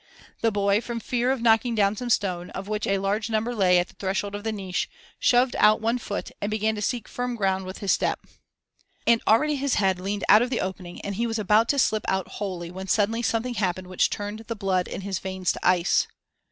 The boy, from fear of knocking down some stone, of which a large number lay at the threshold of the niche, shoved out one foot and began to seek firm ground with his step. And already his head leaned out of the opening and he was about to slip out wholly when suddenly something happened which turned the blood in his veins to ice.